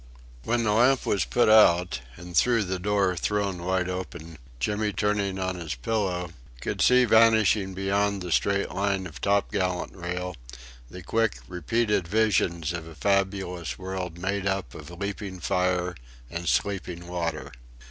When the lamp was put out, and the door thrown wide open, Jimmy, turning on his pillow, could see vanishing beyond the straight line of top gallant rail, the quick, repeated visions of a fabulous world made up of leaping fire and sleeping water.